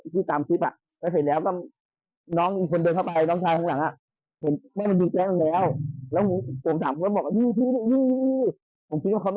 เกี่ยวกับเหตุการณ์ก็เป็นยังไงครับ